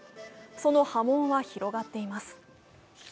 その波紋は広がっています。